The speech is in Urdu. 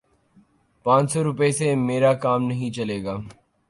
پانچ سو روپے سے میرا کام نہیں چلے گا